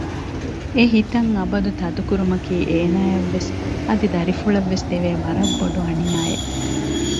އެހިތަށް އަބަދު ތަދުކުރުމަކީ އޭނައަށްވެސް އަދި ދަރިފުޅަށްވެސް ދެވޭ ވަރަށް ބޮޑު އަނިޔާއެއް